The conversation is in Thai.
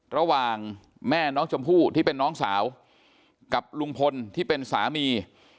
ระหว่างแม่น้องชมพู่ที่เป็นน้องสาวกับลุงพลที่เป็นสามี